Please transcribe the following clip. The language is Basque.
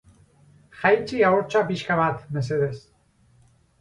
Jaitsi ahotsa pixka bat, mesedez.